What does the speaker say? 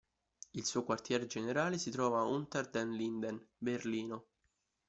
Il suo Quartier Generale si trovava a Unter den Linden, Berlino.